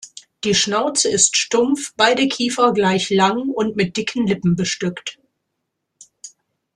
Die Schnauze ist stumpf, beide Kiefer gleich lang und mit dicken Lippen bestückt.